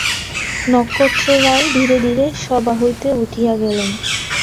নক্ষত্ররায় ধীরে ধীরে সভা হইতে উঠিয়া গেলেন।